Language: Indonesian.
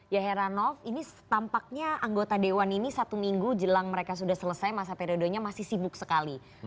ya heranov ini tampaknya anggota dewan ini satu minggu jelang mereka sudah selesai masa periodenya masih sibuk sekali